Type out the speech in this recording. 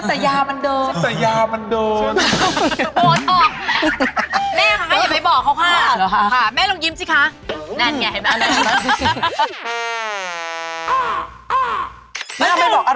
โบสถ์ออกแม่คะอย่าไปบอกเขาค่ะแม่ลองยิ้มสิคะแม่นี่ไง